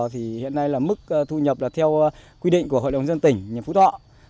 thì hiện nay là mức thu nhập là theo quy định của hội đồng dân tỉnh phú thọ